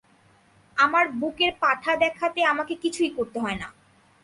আমার বুকের পাঠা দেখাতে আমাকে কিছুই করতে হয় না।